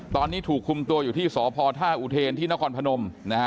ตอนนี้ถูกคุมตัวอยู่ที่สพท่าอุเทนที่นครพนมนะฮะ